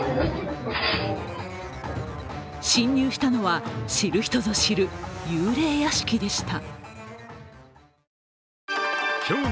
侵入したのは、知る人ぞ知る幽霊屋敷でした。